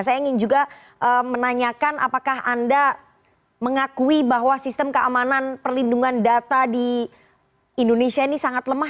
saya ingin juga menanyakan apakah anda mengakui bahwa sistem keamanan perlindungan data di indonesia ini sangat lemah